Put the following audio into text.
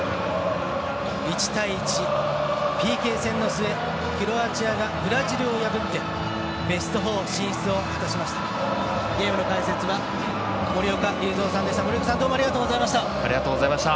１対１、ＰＫ戦の末クロアチアがブラジルを破ってベスト４進出を果たしました。